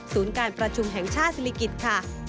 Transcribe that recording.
การประชุมแห่งชาติศิริกิจค่ะ